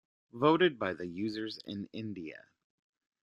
Voted by the users in India.